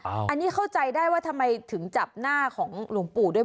อันนี้เข้าใจได้ว่าทำไมถึงจับหน้าของหลวงปู่ด้วย